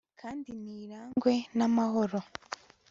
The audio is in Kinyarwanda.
kandi ntirangwe namahoro